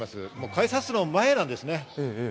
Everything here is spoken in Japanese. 改札の前なんです。